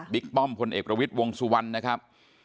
ป้อมพลเอกประวิทย์วงสุวรรณนะครับ